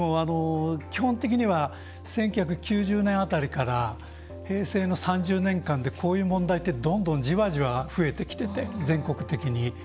基本的には１９９０年辺りから平成の３０年間でこういう問題ってどんどん、じわじわ増えてきてて、全国的に。